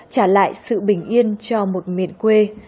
trả lại sự bình yên cho một miền quê